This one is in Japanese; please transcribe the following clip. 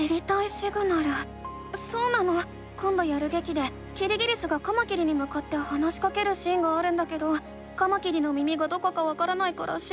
そうなのこんどやるげきでキリギリスがカマキリにむかって話しかけるシーンがあるんだけどカマキリの耳がどこかわからないから知りたいの。